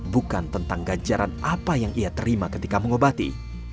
bukan tentang ganjaran apa yang ia terima ketika mengobati